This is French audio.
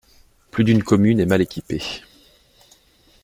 Plus d’une commune est mal équipée.